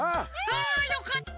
あよかった！